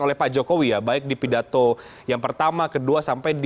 oleh pak jokowi baik di pidato yang pertama kedua